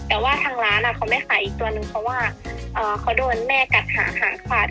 แต่ว่าทางร้านเขาไม่ขายอีกตัวนึงเพราะว่าเขาโดนแม่กัดขาหางขาด